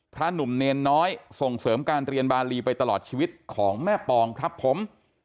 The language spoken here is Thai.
หนุ่มเนรน้อยส่งเสริมการเรียนบาลีไปตลอดชีวิตของแม่ปองครับผม